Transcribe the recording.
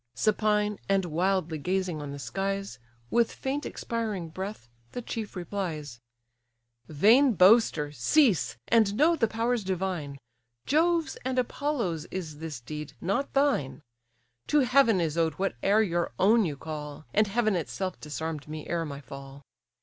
Supine, and wildly gazing on the skies, With faint, expiring breath, the chief replies: "Vain boaster! cease, and know the powers divine! Jove's and Apollo's is this deed, not thine; To heaven is owed whate'er your own you call, And heaven itself disarm'd me ere my fall.